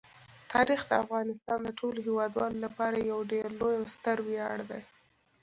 تاریخ د افغانستان د ټولو هیوادوالو لپاره یو ډېر لوی او ستر ویاړ دی.